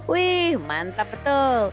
wih mantap betul